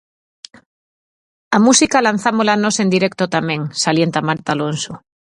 A música lanzámola nós en directo tamén, salienta Marta Alonso.